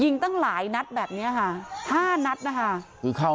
ยิงตั้งหลายนัทแบบนี้นะคะห้านัทนะคะ